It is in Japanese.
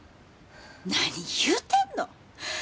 何言うてんの！